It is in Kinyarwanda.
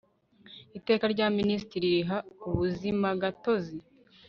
iteka rya minisitiri riha ubuzimagatozi